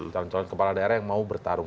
calon calon kepala daerah yang mau bertarung